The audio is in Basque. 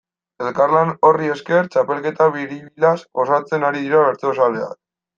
Elkarlan horri esker, txapelketa biribilaz gozatzen ari dira bertsozaleak.